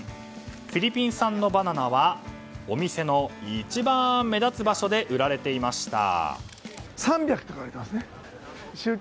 フィリピン産のバナナはお店の一番目立つ場所で売られていました。